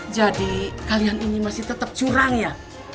jadi kalian ini masih tetap curang ya